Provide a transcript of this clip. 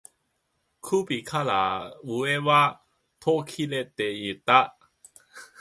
首から上は途切れていた